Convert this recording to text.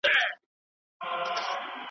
معلم وپوښتی حکمت په زنګوله کي .